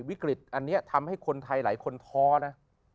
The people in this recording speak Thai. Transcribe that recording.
วิกฤตอันนี้ทำให้คนไทยหลายคนท้อนะ